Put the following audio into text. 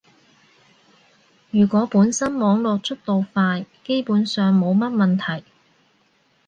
如果本身網絡速度快，基本上冇乜問題